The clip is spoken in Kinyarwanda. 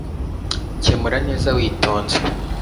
Kemura neza witonze